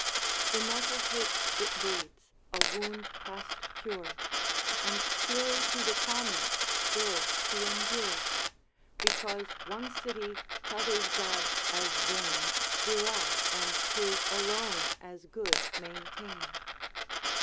——— Immortal hate it breeds, a wound past cure, And fury to the commons still to endure: Because one city t' other's gods as vain Deride, and his alone as good maintain.